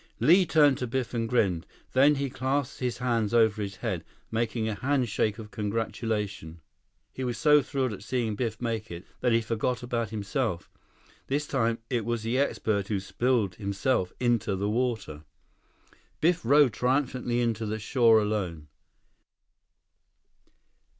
Li turned to Biff and grinned. Then he clasped his hands over his head, making a handshake of congratulation. He was so thrilled at seeing Biff make it that he forgot about himself. This time it was the expert who spilled himself into the water. Biff rode triumphantly into shore alone.